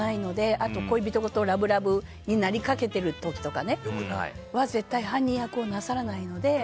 あと恋人とラブラブになりかけてる時っていうのは絶対に犯人役をなさらないので。